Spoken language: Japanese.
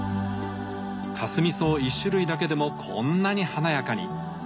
かすみ草１種類だけでもこんなに華やかに。